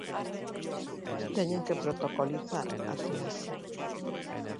Teñen que protocolizar a triaxe.